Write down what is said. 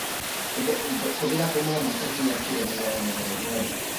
To by napomohlo k dosažení lepší rovnováhy mezi regiony.